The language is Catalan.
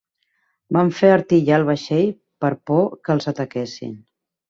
Van fer artillar el vaixell per por que els ataquessin.